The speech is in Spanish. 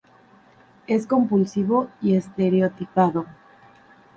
Es compulsivo y estereotipado.